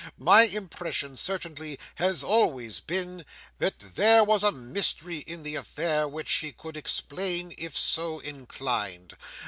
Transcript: My impression, certainly, has always been, that there was a mystery in the affair which she could explain if so inclined.